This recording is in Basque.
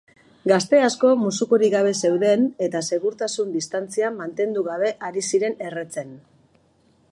Gazte asko musukorik gabe zeuden eta segurtasun-distantzia mantendu gabe ari ziren erretzen.